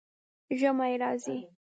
ژمی راځي